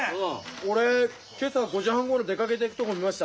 俺今朝５時半ごろ出かけてくとこ見ました。